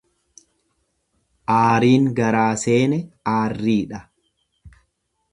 Aariin garaa seene aarriidha.